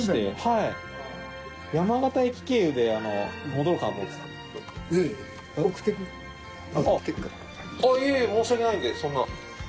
いえいえ申し訳ないんでそんな。